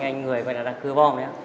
anh người gọi là đang cưa bom đấy á